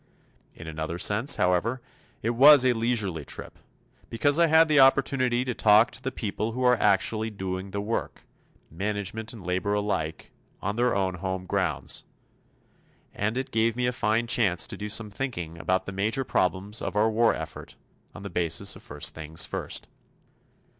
In another sense, however, it was a leisurely trip, because I had the opportunity to talk to the people who are actually doing the work management and labor alike on their own home grounds. And it gave me a fine chance to do some thinking about the major problems of our war effort on the basis of first things first.